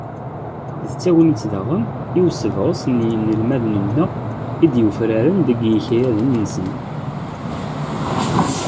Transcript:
D tagnit, daɣen, i usebɣes n yinelmaden-nneɣ i d-yufraren deg yikayaden-nsen.